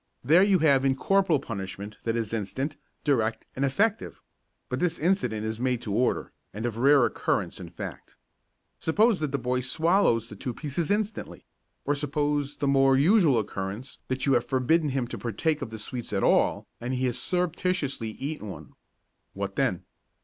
There you have incorporal punishment that is instant, direct and effective; but this incident is made to order and of rare occurrence in fact. Suppose that the boy swallows the two pieces instantly, or suppose the more usual occurrence that you have forbidden him to partake of the sweets at all and he has surreptitiously eaten one. What then?